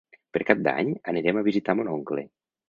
Per Cap d'Any anirem a visitar mon oncle.